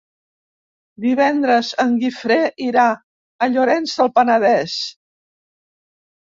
Divendres en Guifré irà a Llorenç del Penedès.